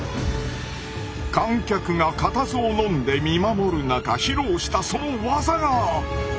観客が固唾をのんで見守る中披露したその技が！